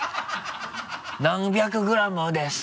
何百ｇです！